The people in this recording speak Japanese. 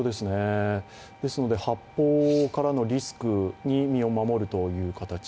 ですので、発砲からのリスクに身を守るという形。